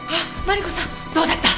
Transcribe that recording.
マリコさんどうだった？